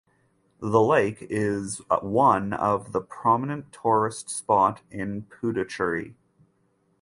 The lake is one of the prominent tourist spot in Puducherry.